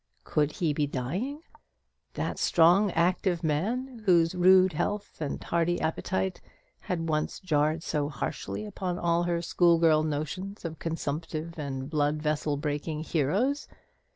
Could he be dying? That strong active man, whose rude health and hearty appetite had once jarred so harshly upon all her schoolgirl notions of consumptive and blood vessel breaking heroes!